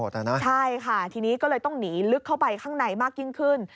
ใช่ค่ะทีนี้ก็เลยต้องหนีลึกเข้าไปข้างในมากยิ่งขึ้น